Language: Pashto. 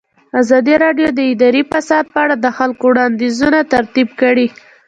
ازادي راډیو د اداري فساد په اړه د خلکو وړاندیزونه ترتیب کړي.